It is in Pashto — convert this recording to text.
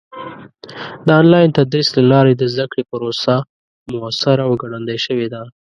د آنلاین تدریس له لارې د زده کړې پروسه موثره او ګړندۍ شوې ده.